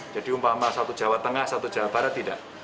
jadi umpama satu jawa tengah satu jawa barat tidak